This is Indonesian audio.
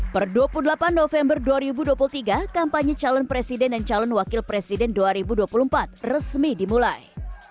per dua puluh delapan november dua ribu dua puluh tiga kampanye calon presiden dan calon wakil presiden dua ribu dua puluh empat resmi dimulai